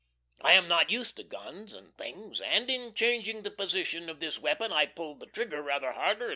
I am not used to guns and things, and in changing the position of this weapon I pulled the trigger rather harder than was necessary.